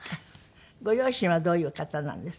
ご両親はどういう方なんですか？